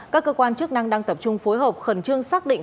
các cơ quan chức năng đang tập trung phối hợp khẩn trương xác định